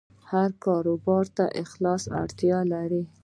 هر کاروبار ته اخلاق اړتیا لري.